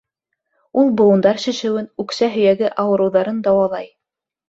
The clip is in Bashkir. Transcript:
Ул быуындар шешеүен, үксә һөйәге ауырыуҙарын дауалай.